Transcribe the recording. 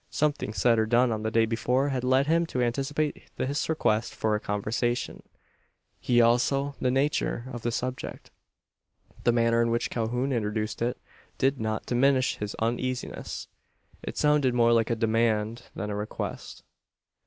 Something said or done on the day before had led him to anticipate this request for a conversation as also the nature of the subject. The manner in which Calhoun introduced it, did not diminish his uneasiness. It sounded more like a demand than a request.